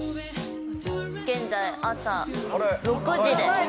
現在、朝６時です。